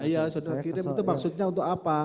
iya saudara kirim itu maksudnya untuk apa